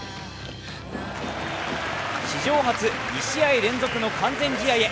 史上初、２試合連続の完全試合へ。